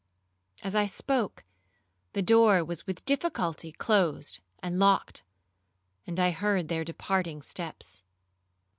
As I spoke, the door was with difficulty closed and locked, and I heard their departing steps.